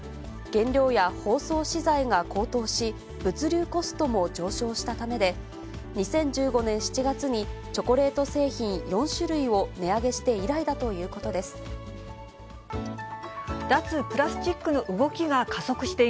原料や包装資材が高騰し、物流コストも上昇したためで、２０１５年７月にチョコレート製品４種類を値上げして以来だとい脱プラスチックの動きが加速